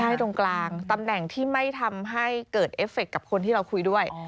ใช่ตรงกลางตำแหน่งที่ไม่ทำให้เกิดเอฟเฟคกับคนที่เราคุยด้วย